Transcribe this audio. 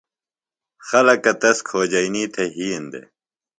خلکہ تس کھوجئینی تھےۡ یِھین دےۡ۔